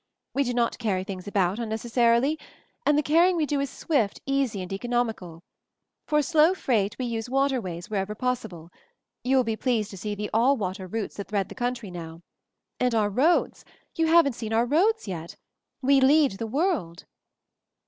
We do not carry things about unnecessarily; and the carry ing we do is swift, easy and economical. For slow freight we use waterways wherever possible — you will be pleased to see the "all water routes' that thread the country now. And our roads — you haven't seen our roads yet! We lead the world."